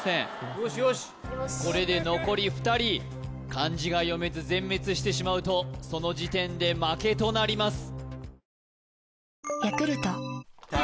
これ怖いなこれで残り２人漢字が読めず全滅してしまうとその時点で負けとなります